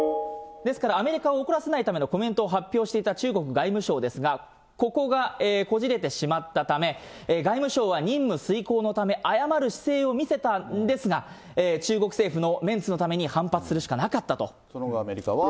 ですから、アメリカを怒らせないためのコメントを発表していた中国外務省なんですが、ここがこじれてしまったため、外務省は任務遂行のため、謝る姿勢を見せたんですが、中国政府のメンツのために、反発するその後、アメリカは。